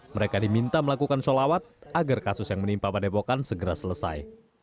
mereka diminta melakukan sholawat agar kasus yang menimpa padepokan segera selesai